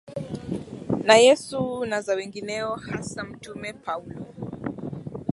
na Yesu na za wengineo hasa Mtume Paulo